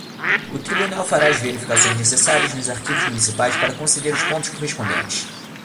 O tribunal fará as verificações necessárias nos arquivos municipais para conceder os pontos correspondentes.